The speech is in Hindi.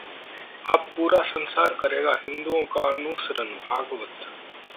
अब पूरा संसार करेगा हिंदुओं का अनुसरण: भागवत